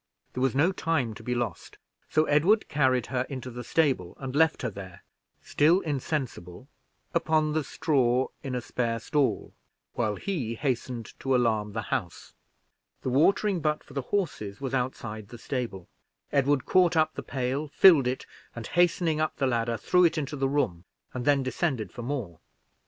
There was no time to be lost, so Edward carried her into the stable and left her there, still insensible, upon the straw, in a spare stall, while he hastened to alarm the house. The watering butt for the horses was outside the stable; Edward caught up the pail, filled it, and hastening up the ladder, threw it into the room, and then descended for more.